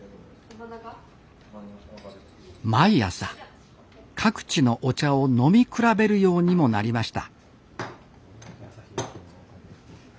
毎朝各地のお茶を飲み比べるようにもなりました